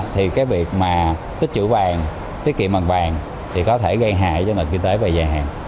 thì cái việc mà tích trữ vàng tiết kiệm bằng vàng thì có thể gây hại cho nền kinh tế về dài hàng